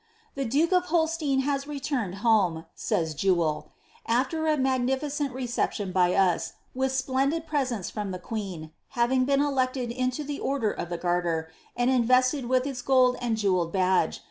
^ The duke of Uolstein has retnroed home,^ says Jewel, ^ after a magnificent reception by us, with splendid presents from the queen, having been elected into the order of tlie gar ter, and inTested with its golden and jewelled badge.